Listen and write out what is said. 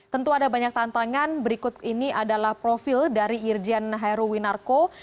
tentu ada banyak tantangan berikut ini adalah profil dari irjen heruwinarko